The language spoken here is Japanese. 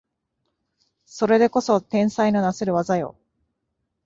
それでこそ天才のなせる技よ